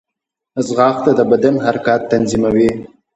ځغاسته د بدن حرکات تنظیموي